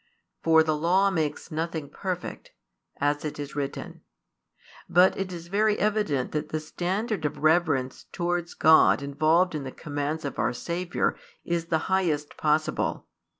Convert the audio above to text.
For the Law makes nothing perfect, as it is written; but it is very evident that the standard of reverence towards God involved in the commands of our Saviour is the highest possible.